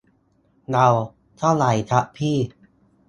เรา : เท่าไรครับพี่